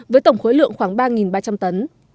với tổng khối lượng khoảng ba ba trăm linh tấn